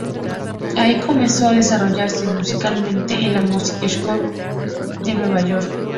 Allí comenzó a desarrollarse musicalmente en la Music School Settlement de Nueva York.